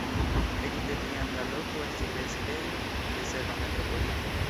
Ekde tiam la loko estis rezidejo de serba metropolito.